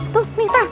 tuh nih tah